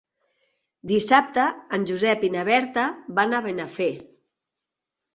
Dissabte en Josep i na Berta van a Benafer.